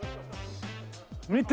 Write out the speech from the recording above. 見て。